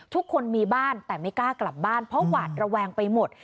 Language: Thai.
ทุกคนมีบ้านแต่ไม่กล้ากลับบ้านเพราะหวาดระแวงไปหมด